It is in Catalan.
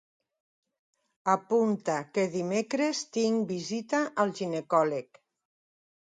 Apunta que dimecres tinc visita al ginecòleg.